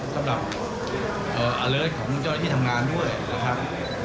สำหรับอเลิศของเจ้าที่ทำงานด้วยนะครับ